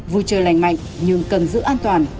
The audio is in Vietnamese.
vui chơi lành mạnh nhưng cần giữ an toàn